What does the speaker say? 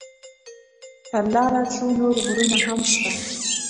پر لاره څو نور غرونه هم شته.